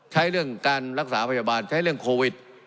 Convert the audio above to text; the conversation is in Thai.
เรื่องการรักษาพยาบาลใช้เรื่องโควิด